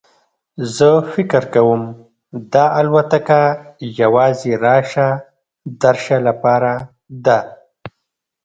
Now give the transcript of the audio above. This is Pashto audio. زه فکر کوم دا الوتکه یوازې راشه درشه لپاره ده.